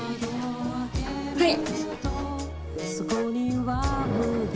はい！